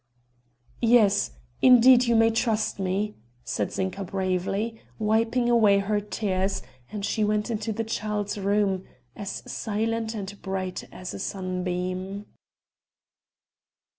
"Yes indeed you may trust me," said Zinka bravely, wiping away her tears; and she went into the child's room "as silent and bright as a sunbeam."